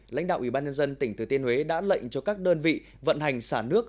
lãnh đạo ủy ban nhân dân tỉnh thừa tiên huế đã lệnh cho các đơn vị vận hành xả nước